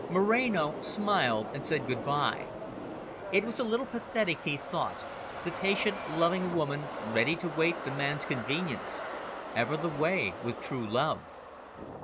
Moreno smiled, and said good bye. It was a little pathetic, he thought, the patient, loving woman ready to wait the man's convenience. Ever the way with true love.